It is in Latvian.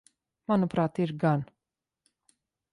Manuprāt, ir gan.